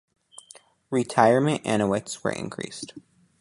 Retirement annuities were increased.